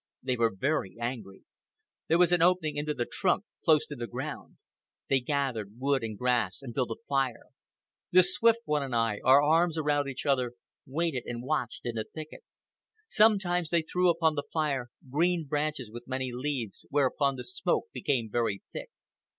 They were very angry. There was an opening into the trunk close to the ground. They gathered wood and grass and built a fire. The Swift One and I, our arms around each other, waited and watched in the thicket. Sometimes they threw upon the fire green branches with many leaves, whereupon the smoke became very thick.